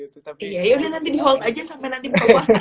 ya udah nanti di hold aja sampe nanti buka puasa gitu gak boleh